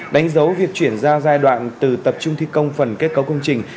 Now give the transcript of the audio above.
đánh dấu việc chuyển giao giai đoạn từ tập trung thi công phần kết cấu công trình